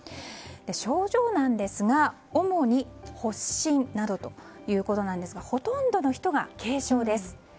症状なんですが主に発疹などということですがほとんどの人が軽症です。